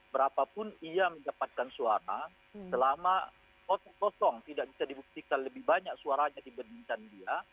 berapapun ia mendapatkan suara selama kotak kosong tidak bisa dibuktikan lebih banyak suaranya dibandingkan dia